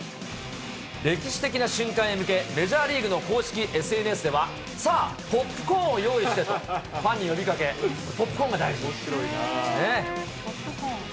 歴史的な瞬間へ向け、メジャーリーグの公式ＳＮＳでは、さぁ、ポップコーンを用意して！とファンに呼びかけ、ポップコーンが大ポップコーン。